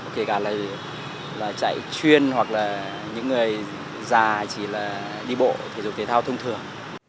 kể cả là chạy chuyên hoặc là những người già chỉ là đi bộ thể dục thể thao thông thường